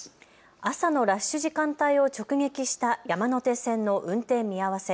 朝のラッシュ時間帯を直撃した山手線の運転見合わせ。